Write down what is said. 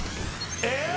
えっ！